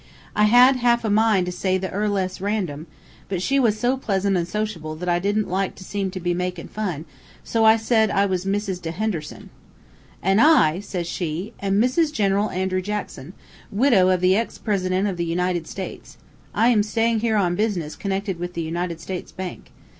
I had half a mind to say the Earl ess Random, but she was so pleasant and sociable that I didn't like to seem to be makin' fun, an' so I said I was Mrs. De Henderson. "'An' I,' says she, 'am Mrs. General Andrew Jackson, widow of the ex President of the United States. I am staying here on business connected with the United States Bank.